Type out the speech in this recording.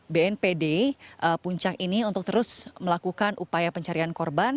bnpd puncak ini untuk terus melakukan upaya pencarian korban